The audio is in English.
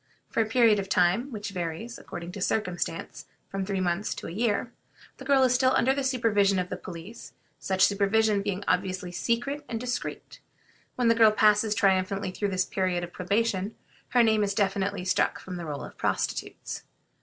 For a period of time, which varies, according to circumstances, from three months to a year, the girl is still under the supervision of the police, such supervision being obviously secret and discreet. When the girl passes triumphantly through this period of probation, her name is definitely struck from the roll of prostitutes.